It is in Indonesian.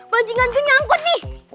banjinganku nyangkut nih